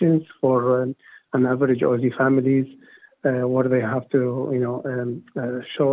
untuk keluarga yang berusaha berusaha berusaha